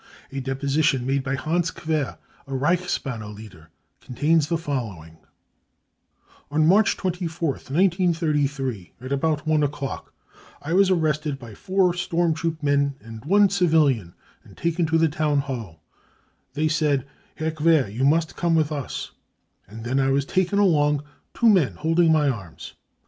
A deposition made by Hans Quer, a Reichs banner leader, contains the following : <c On March 24th, 1933, at about one o'clock, I was arrested by four storm troop men and one civilian, and taken to the Town Hall. They said : 6 Herr Quer, you must come with ms, 3 and then I was taken along, two men holding my arms.